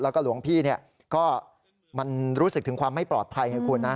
แล้วก็หลวงพี่ก็รู้สึกถึงความไม่ปลอดภัย